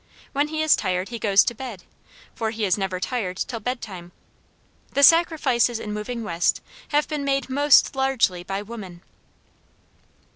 When he is tired he goes to bed, for he is never tired till bed time. The sacrifices in moving West have been made most largely by women."